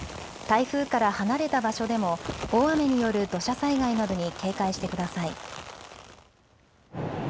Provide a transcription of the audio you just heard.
台風から離れた場所でも大雨による土砂災害などに警戒してください。